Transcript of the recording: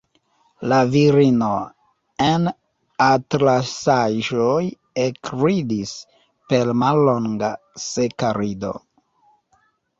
La virino en atlasaĵoj ekridis per mallonga, seka rido.